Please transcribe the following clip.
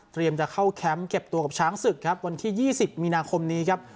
จะเข้าแคมป์เก็บตัวกับช้างศึกครับวันที่๒๐มีนาคมนี้ครับ